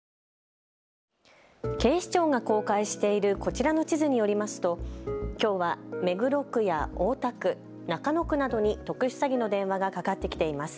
警視庁が公開しているこちらの地図によりますときょうは目黒区や大田区、中野区などに特殊詐欺の電話がかかってきています。